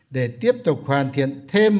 để tiếp tục hoàn thiện thêm